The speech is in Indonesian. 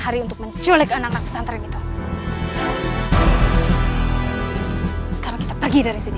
hari untuk menculik anak anak pesantren itu sekarang kita pergi dari sini